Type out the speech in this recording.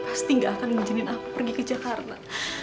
pasti nggak akan ngebantumin aku pergi ke jakarta